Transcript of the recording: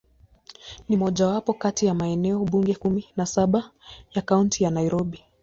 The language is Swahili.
Ni mojawapo kati ya maeneo bunge kumi na saba ya Kaunti ya Nairobi.